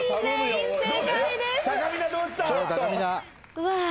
うわ。